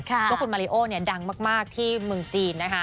คุณมาเรโอดังมากที่เมืองจีนนะคะ